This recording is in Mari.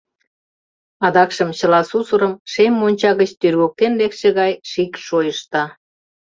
Адакшым чыла сусырым шем монча гыч тӱргыктен лекше гай шикш шойышта.